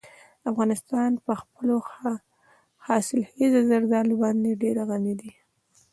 افغانستان په خپلو حاصلخیزه زردالو باندې ډېر غني دی.